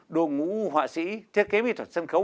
đồ ngũ họa sĩ thiết kế mỹ thuật sân khấu